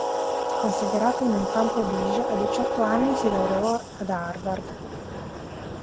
Considerato un "enfant prodige", a diciotto anni si laureò ad Harvard.